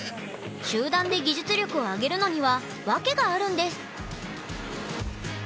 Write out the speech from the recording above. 集団で技術力を上げるのには訳があるんです。